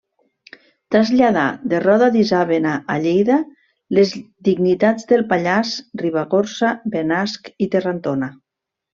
Traslladà de Roda d'Isàvena a Lleida les dignitats del Pallars, Ribagorça, Benasc i Terrantona.